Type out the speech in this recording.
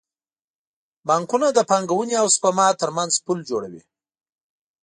بانکونه د پانګونې او سپما ترمنځ پل جوړوي.